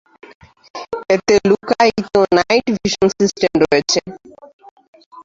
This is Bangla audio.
এতে লুকায়িত নাইট ভিশন সিস্টেম রয়েছে।